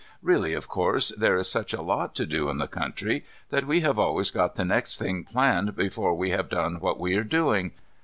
Really, of course, there is such a lot to do in the country that we have always got the next thing planned before we have done what we are doing.